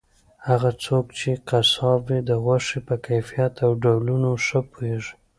هغه څوک چې قصاب وي د غوښې په کیفیت او ډولونو ښه پوهیږي.